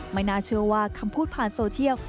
ไม่น่าเชื่อว่าคำพูดผ่านโซเชียล